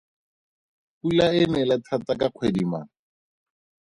Pula e nele thata ka kgwedi mang?